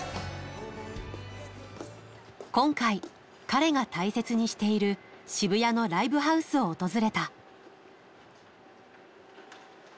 今回、彼が大切にしている渋谷のライブハウスを訪れた。